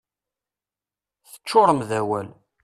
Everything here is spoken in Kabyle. Teččurem d awal.